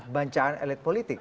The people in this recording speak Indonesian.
bancakan elit politik